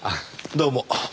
どうも。